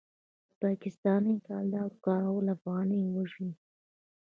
د پاکستانۍ کلدارو کارول افغانۍ وژني.